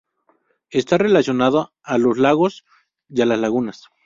Está relacionada a los lagos y las lagunas.